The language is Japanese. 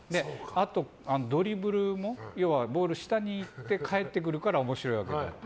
あと、ドリブルも要はボールが下に行って返ってくるから面白いわけで。